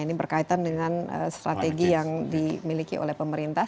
ini berkaitan dengan strategi yang dimiliki oleh pemerintah